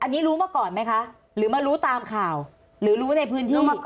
อันนี้รู้มาก่อนไหมคะหรือมารู้ตามข่าวหรือรู้ในพื้นที่มาก่อน